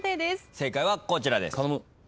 正解はこちらです。